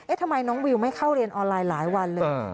ทำไมน้องวิวไม่เข้าเรียนออนไลน์หลายวันเลย